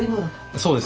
そうです。